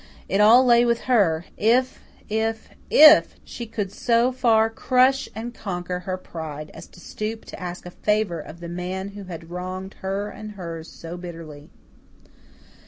It all lay with her if if IF she could so far crush and conquer her pride as to stoop to ask a favour of the man who had wronged her and hers so bitterly.